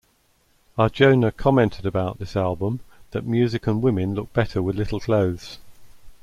Arjona commented about this album that music and women look better with little clothes.